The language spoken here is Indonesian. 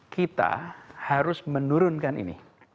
kita harus menurunkan ini